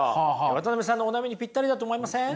渡辺さんのお悩みにぴったりだと思いません？